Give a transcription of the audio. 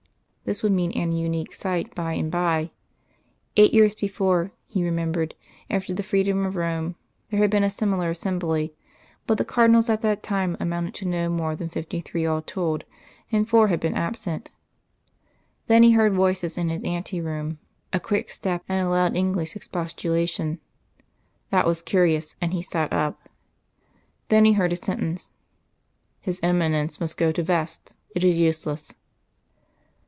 This would mean an unique sight by and bye. Eight years before, he remembered, after the freedom of Rome, there had been a similar assembly; but the Cardinals at that time amounted to no more than fifty three all told, and four had been absent. Then he heard voices in his ante room, a quick step, and a loud English expostulation. That was curious, and he sat up. Then he heard a sentence. "His Eminence must go to vest; it is useless."